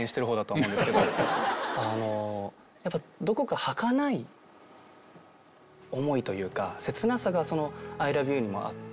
やっぱどこかはかない思いというか切なさがその『ＩＬＯＶＥＹＯＵ』にもあって。